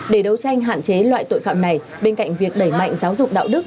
để đấu tranh hạn chế loại tội phạm này bên cạnh việc đẩy mạnh giáo dục đạo đức